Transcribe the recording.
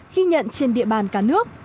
khi nhận trên địa bàn cả nước